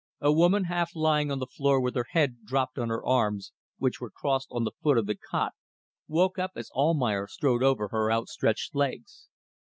A woman, half lying on the floor with her head dropped on her arms, which were crossed on the foot of the cot, woke up as Almayer strode over her outstretched legs.